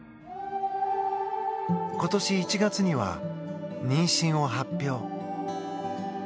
今年１月には妊娠を発表。